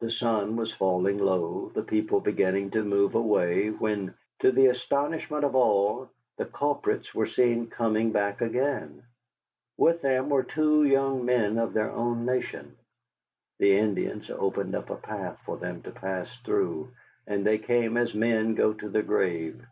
The sun was falling low, the people beginning to move away, when, to the astonishment of all, the culprits were seen coming back again. With them were two young men of their own nation. The Indians opened up a path for them to pass through, and they came as men go to the grave.